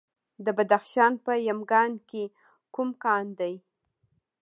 د بدخشان په یمګان کې کوم کان دی؟